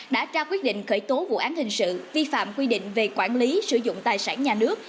đã ra quyết định khởi tố vụ án hình sự vi phạm quy định về quản lý sử dụng tài sản nhà nước